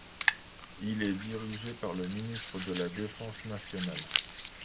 Il est dirigé par le ministre de la Défense nationale.